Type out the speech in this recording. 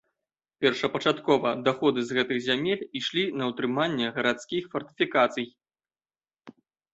Першапачаткова даходы з гэтых зямель ішлі на ўтрыманне гарадскіх фартыфікацый.